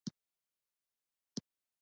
په پیسو سره کتاب اخيستلی شې خو پوهه نه شې.